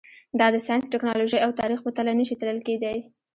دا د ساینس، ټکنالوژۍ او تاریخ په تله نه شي تلل کېدای.